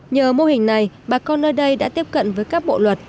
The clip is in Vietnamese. nhờ mô hình này bà con nơi đây đã tiếp cận với các bộ luật